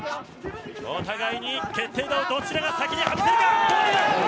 お互いに決定打をどちらが先に浴びせるか。